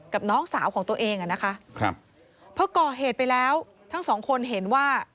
น้องสาวของตัวเองอ่ะนะคะครับพอก่อเหตุไปแล้วทั้งสองคนเห็นว่า